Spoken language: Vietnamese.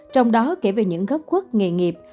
trong đó kể về những gấp quốc nghề nghiệp